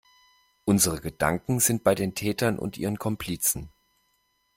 Unsere Gedanken sind bei den Tätern und ihren Komplizen.